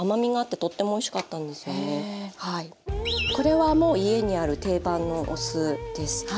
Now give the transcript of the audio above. これはもう家にある定番のお酢です。